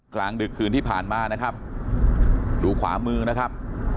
กลางดึกคืนที่ผ่านมานะครับดูขวามือนะครับ